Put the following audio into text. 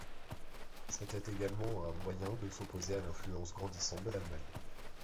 C'était également un moyen de s'opposer à l'influence grandissante de l'Allemagne.